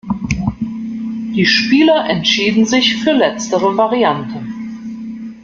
Die Spieler entschieden sich für letztere Variante.